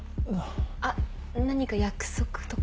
あっ何か約束とか？